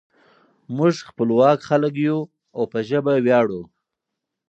موږ خپلواک خلک یو او په ژبه ویاړو.